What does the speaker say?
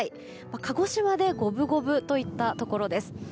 鹿児島で五分五分といったところです。